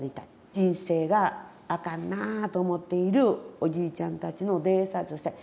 人生があかんなと思っているおじいちゃんたちのデイサービスをしたい。